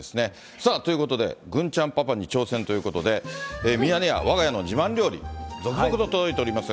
さあ、ということで、郡ちゃんパパに挑戦ということで、ミヤネ屋、わが家の自慢料理、続々届いております。